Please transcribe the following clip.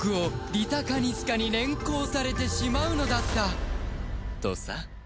リタ・カニスカに連行されてしまうのだったとさ